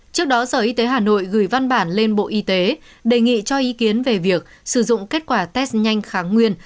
trước đó sở y tế hà nội gửi văn bản lên bộ y tế đề nghị cho ý kiến về việc sử dụng kết quả test nhanh kháng nguyên